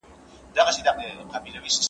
هغه وويل چي خواړه ورکول مهم دي!!